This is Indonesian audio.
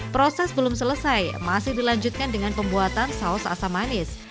proses belum selesai masih dilanjutkan dengan pembuatan saus asam manis